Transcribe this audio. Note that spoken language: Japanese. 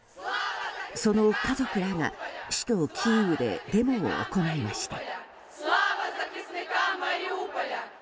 その家族らが首都キーウでデモを行いました。